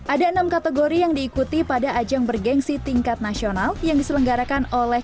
ada enam kategori yang diikuti pada ajang bergensi tingkat nasional yang diselenggarakan oleh